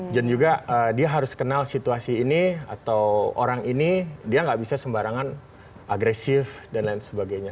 dan juga dia harus kenal situasi ini atau orang ini dia nggak bisa sembarangan agresif dan lain sebagainya